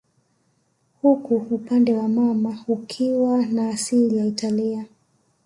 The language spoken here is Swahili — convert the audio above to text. huku upande wa mama akiwa na asili ya Italia